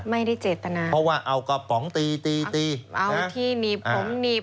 ไม่ได้เจตนาเพราะว่าเอากระป๋องตีตีตีเอาที่หนีบผมหนีบ